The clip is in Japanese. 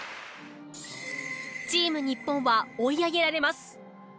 チーム日本は追い上げられます。